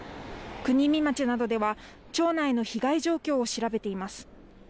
国見町などでは町内の被害状況を調べています。